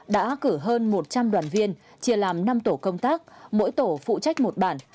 và một mươi năm đoàn viên chia làm năm tổ công tác mỗi tổ phụ trách một bản